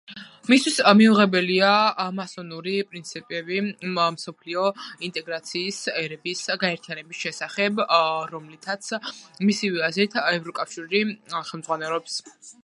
მისთვის მიუღებელია მასონური პრინციპები მსოფლიო ინტეგრაციის, ერების გაერთიანების შესახებ, რომლითაც, მისივე აზრით, ევროკავშირი ხელმძღვანელობს.